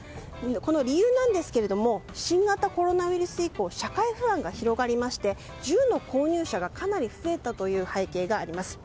この理由ですが新型コロナウイルス以降社会不安が広がりまして銃の購入者がかなり増えたという背景があります。